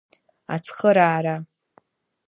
Ацхыраара!